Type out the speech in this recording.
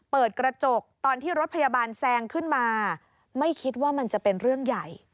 เปิดกระจกตอนที่รถพยาบาลแซงขึ้นมาไม่คิดว่ามันจะเป็นเรื่องใหญ่